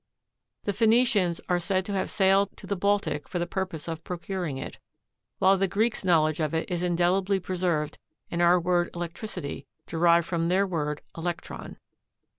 The Phenicians are said to have sailed to the Baltic for the purpose of procuring it, while the Greeks' knowledge of it is indelibly preserved in our word electricity derived from their word elektron.